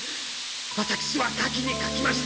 わたくしは描きに描きました。